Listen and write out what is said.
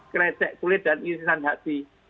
krecek kulit dan irisan hati